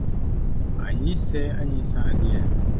Anyise anyisa adier